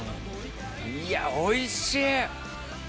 いやおいしい！